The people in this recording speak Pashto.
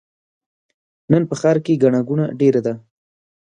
نن په ښار کې ګڼه ګوڼه ډېره ده.